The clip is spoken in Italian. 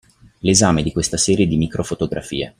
L'esame di questa serie di microfotografie.